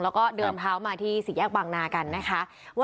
แล้วก็เดินเท้ามาที่สี่แยกบางนากันนะคะ